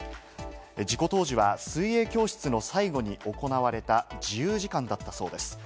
事故当時は水泳教室の最後に行われた自由時間だったそうです。